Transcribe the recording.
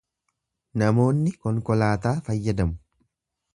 Namoonni konkolaataa fayyadamu.